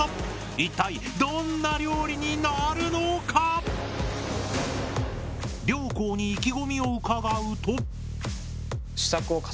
一体どんな料理になるのか⁉両校に意気込みを伺うと。